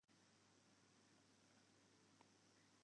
De diken kinne net breder makke wurde, want dêr is gjin romte foar.